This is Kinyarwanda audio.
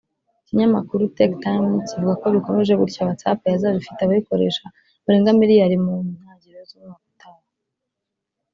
Ikinyamakuru Tech Times kivuga ko bikomeje gutya WhatsApp yazaba ifite abayikoresha barenga miliyari mu ntangiriro z’umaka utaha